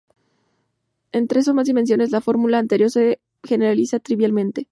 En tres o más dimensiones la fórmula anterior se generaliza trivialmente.